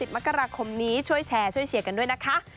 มกราคมนี้ช่วยแชร์ช่วยเชียร์กันด้วยนะคะ